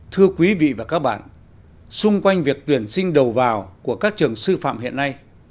thưa quý vị và các bạn xung quanh việc tuyển sinh đầu vào của các trường sư phạm hiện nay